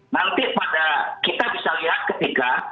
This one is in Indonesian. nanti pada kita bisa lihat ketika